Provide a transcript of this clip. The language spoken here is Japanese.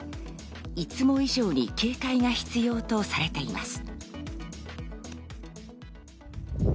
いつも以上に警戒が必要とされています。